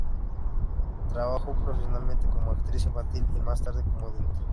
Trabajó profesionalmente como actriz infantil y más tarde ya como adulta.